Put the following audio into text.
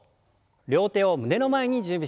両手を胸の前に準備します。